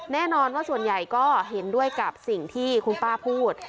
แน่นอนว่าส่วนใหญ่ก็เห็นด้วยกับสิ่งที่คุณป้าพูด